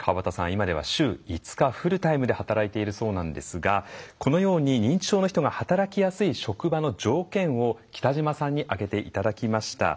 今では週５日フルタイムで働いているそうなんですがこのように認知症の人が働きやすい職場の条件を来島さんに挙げていただきました。